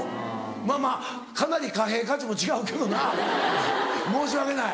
まぁまぁかなり貨幣価値も違うけどな申し訳ない。